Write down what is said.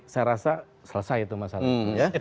saya rasa selesai itu masalah itu ya